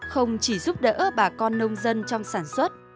không chỉ giúp đỡ bà con nông dân trong sản xuất